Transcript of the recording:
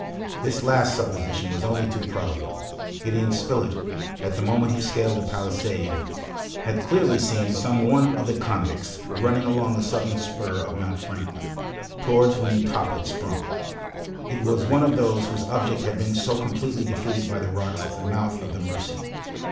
This last supposition was only too probable. Gideon Spilett, at the moment he scaled the palisade, had clearly seen some one of the convicts running along the southern spur of Mount Franklin, towards whom Top had sprung. It was one of those whose object had been so completely defeated by the rocks at the mouth of the Mercy.